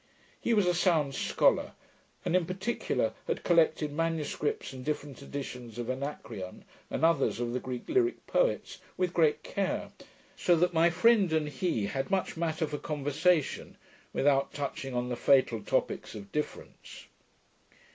He was a sound scholar, and, in particular, had collated manuscripts and different editions of Anacreon, and others of the Greek lyrick poets, with great care; so that my friend and he had much matter for conversation, without touching on the fatal topicks of difference.